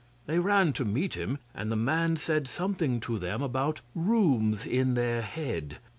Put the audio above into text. They ran to meet him, and the man said something to them about rooms in their head.